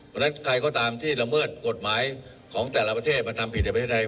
เพราะฉะนั้นใครก็ตามที่ละเมิดกฎหมายของแต่ละประเทศมาทำผิดในประเทศไทย